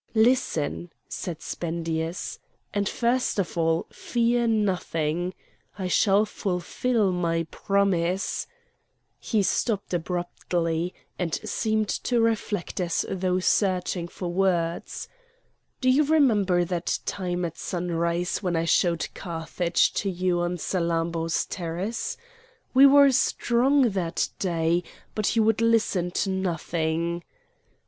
"Listen," said Spendius, "and first of all fear nothing! I shall fulfil my promise—" He stopped abruptly, and seemed to reflect as though searching for words,—"Do you remember that time at sunrise when I showed Carthage to you on Salammbô's terrace? We were strong that day, but you would listen to nothing!"